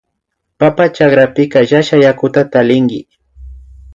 Papa chakrapika llashak yakuta tallinki